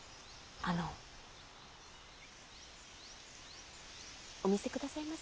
あのお見せくださいませ。